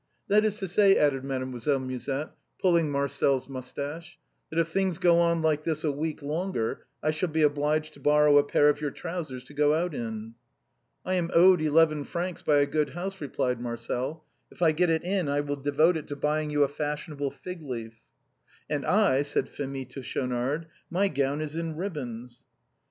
" That is to say," added JIademoiselle Musette, pulling Marcel's moustache, " that if things go on like this a week longer I shall be obliged to borrow a pair of your trousers to go out in." " I am owed eleven francs by a good house," replied Marcel ;" if I get it in I will devote it to buying 3'ou a fash ionable fig leaf." " And I," said Phémie to Schaunard, " my gown is in ribbons."